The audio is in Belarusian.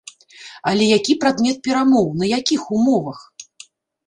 Але які прадмет перамоў, на якіх умовах?